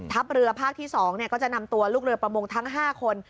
เรือภาคที่๒ก็จะนำตัวลูกเรือประมงทั้ง๕คน